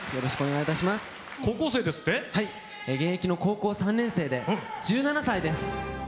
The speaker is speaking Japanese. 現役の高校３年生で１７歳です。